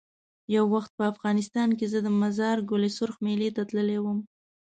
یو وخت په افغانستان کې زه د مزار ګل سرخ میلې ته تللی وم.